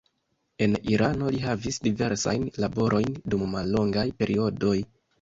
En Irano li havis diversajn laborojn dum mallongaj periodoj.